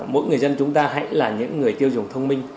mỗi người dân chúng ta hãy là những người tiêu dùng thông minh